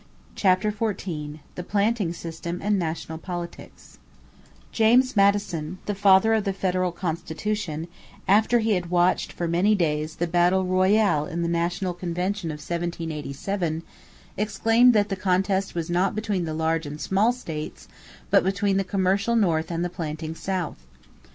CHAPTER XIV THE PLANTING SYSTEM AND NATIONAL POLITICS James Madison, the father of the federal Constitution, after he had watched for many days the battle royal in the national convention of 1787, exclaimed that the contest was not between the large and the small states, but between the commercial North and the planting South.